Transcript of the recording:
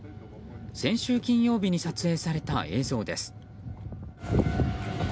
先週金曜日に撮影された映像です。